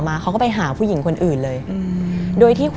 มันกลายเป็นรูปของคนที่กำลังขโมยคิ้วแล้วก็ร้องไห้อยู่